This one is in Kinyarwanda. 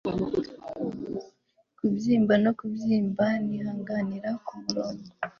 kubyimba no kubyimba nihanganira kumurongo